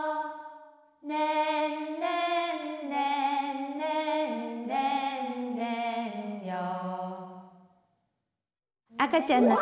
「ねんねんねんねんねんねんよー」